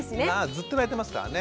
ずっと泣いてますからね。